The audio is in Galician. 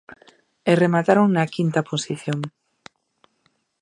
E remataron na quinta posición.